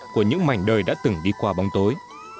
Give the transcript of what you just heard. của những mảnh đời đã từng đi qua bóng tối